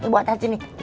buat aja sini